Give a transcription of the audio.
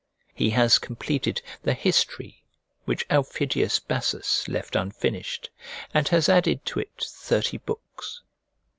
He has completed the history which Aufidius Bassus left unfinished, and has added to it thirty books.